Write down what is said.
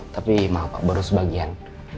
tapi maaf pak baru sebagian